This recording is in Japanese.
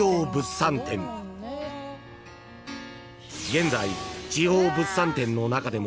［現在］